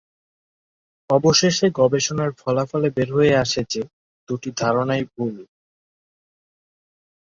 অবশেষে গবেষণার ফলাফলে বের হয়ে আসে যে, দুইটি ধারণাই ভুল।